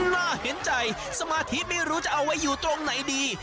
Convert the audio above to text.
น่าเห็นใจสมาธิไม่รู้จะเอาไว้อยู่ตรงไหนดี